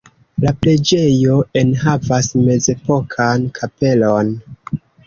La preĝejo enhavas mezepokan kapelon.